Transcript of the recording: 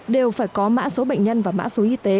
đều phải có mã số bệnh nhân và mã số y tế